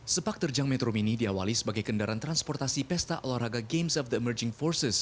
sepak terjang metro mini diawali sebagai kendaraan transportasi pesta olahraga games of the emerging forces